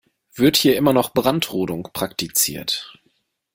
Wird hier immer noch Brandrodung praktiziert?